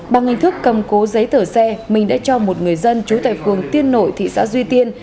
bằng hình thức cầm cố giấy tờ xe minh đã cho một người dân trú tại phường tiên nội thị xã duy tiên